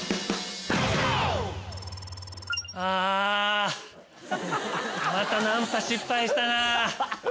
あまたナンパ失敗したな。